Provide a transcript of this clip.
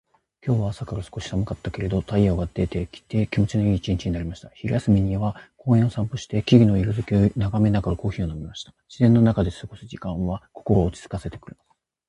今日は朝から少し寒かったけれど、太陽が出てきて気持ちのいい一日になりました。昼休みには公園を散歩して、木々の色づきを眺めながらコーヒーを飲みました。自然の中で過ごす時間は心を落ち着かせてくれます。